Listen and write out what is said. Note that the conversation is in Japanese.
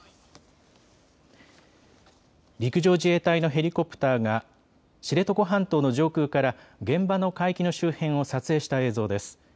陸上自衛隊のヘリコプターが知床半島の上空から現場の海域の周辺を撮影した映像です。